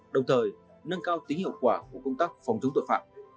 đồng thời nâng cao tính hiệu quả của công tác phòng chống tội phạm